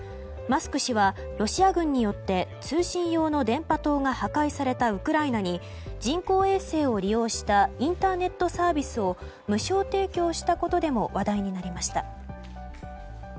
マスク氏は、ロシア軍によって通信用の電波塔が破壊されたウクライナに人工衛星を利用したインターネットサービスを無償提供したことでも話題になりました。